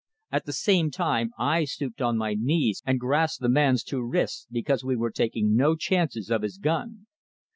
At the same time I stooped on my knees and grasped the man's two wrists; because we were taking no chances of his gun.